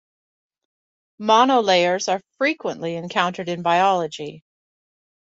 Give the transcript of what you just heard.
Monolayers are frequently encountered in biology.